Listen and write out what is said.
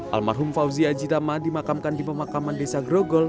almarhum fauzi ajitama dimakamkan di pemakaman desa grogol